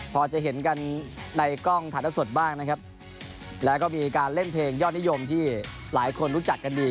พอจะเห็นกันในกล้องถ่ายละสดบ้างนะครับแล้วก็มีการเล่นเพลงยอดนิยมที่หลายคนรู้จักกันดี